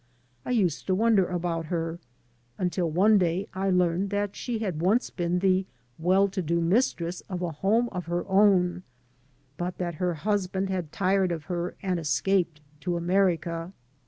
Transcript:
I used to wonder about her, until one day I learned that she had once been the well to do mistress of a home of her own, but that her husband had tired of her and escaped to America.